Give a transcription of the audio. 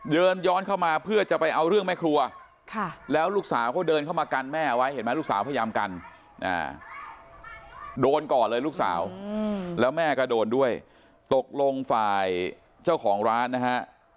เดินย้อนเข้ามาเพื่อจะไปเอาเรื่องแม่ครัวแล้วลูกสาวเขาเดินเข้ามากันแม่ไว้เห็นไหมลูกสาวพยายามกันโดนก่อนเลยลูกสาวแล้วแม่ก็โดนด้วยตกลงฝ่ายเจ้าของร้านนะฮะ